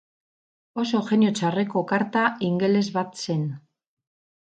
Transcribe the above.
Oso jenio txarreko karta ingeles bat zen.